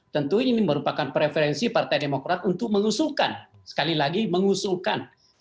tentu ini merupakan preferensi partai demokrat untuk mengusulkan sekali lagi mengusulkan kepada partai koalisi